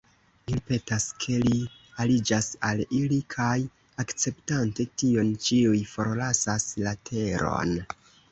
Ili petas ke li aliĝas al ili, kaj akceptante tion, ĉiuj forlasas la teron.